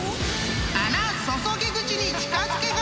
［穴注ぎ口に近づけ我流！］